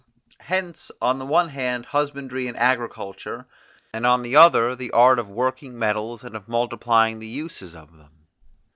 Hence on the one hand husbandry and agriculture, and on the other the art of working metals and of multiplying the uses of them.